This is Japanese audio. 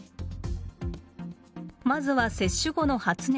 まずは接種後の発熱。